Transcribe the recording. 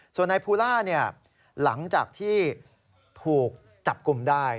ส่วนนายภูล่าหลังจากที่ถูกจับกลุ่มได้